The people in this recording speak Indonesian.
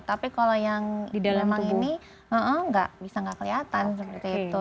tapi kalau yang di dalam tubuh bisa tidak kelihatan seperti itu